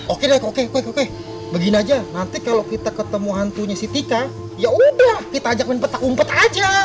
oke deh oke begini aja nanti kalo kita ketemu hantunya si tika yaudah kita ajak main petak umpet aja